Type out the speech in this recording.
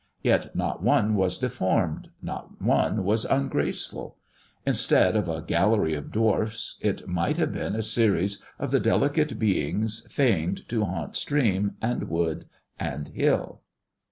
Yet not one was deformed, not one was ungraceful ; instead of a gallery of dwarfs it might have been a series of the delicate beings feigned to haunt stream, and wood, and hill.